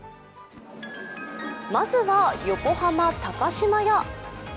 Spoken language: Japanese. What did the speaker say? まずは横浜・高島屋。